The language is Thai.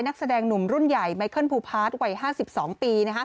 นักแสดงหนุ่มรุ่นใหญ่ไมเคิลภูพาร์ทวัย๕๒ปี